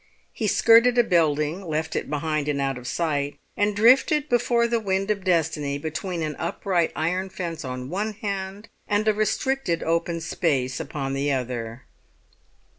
He skirted a building, left it behind and out of sight, and drifted before the wind of destiny between an upright iron fence on one hand and a restricted open space upon the other.